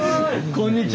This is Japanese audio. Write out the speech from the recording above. こんにちは。